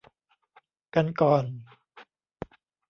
กันก่อน